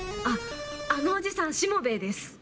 あっあのおじさんしもべえです。